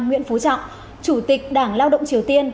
nguyễn phú trọng chủ tịch đảng lao động triều tiên